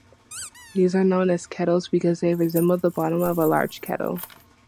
These are known as "kettles" because they resemble the bottom of a large kettle.